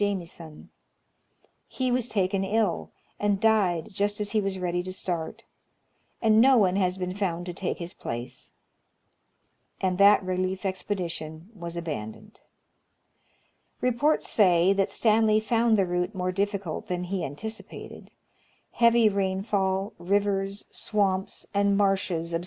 Jamieson. He was taken ill, and died just as he was ready to start, and no one has been found to take his place; and that relief expedition was abandoned. Re ports say that Stanley found the route more difficult than he anticipated ; heavy rainfall, rivers, swamps, and marshes ob Africa^ its Pad mid Future.